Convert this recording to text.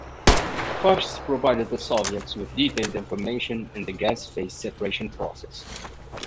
Fuchs provided the Soviets with detailed information on the gas-phase separation process.